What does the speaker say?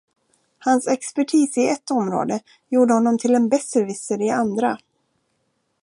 Hans expertis i ett område gjorde honom till en besserwisser i andra